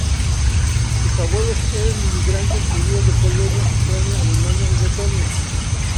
Sus abuelos eran inmigrantes judíos de Polonia, Ucrania, Alemania, y Letonia.